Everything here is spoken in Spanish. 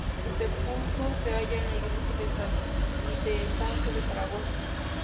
Su sepulcro se halla en la Iglesia de San Ildefonso de Zaragoza.